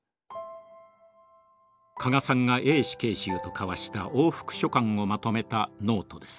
加賀さんがＡ死刑囚と交わした往復書簡をまとめたノートです。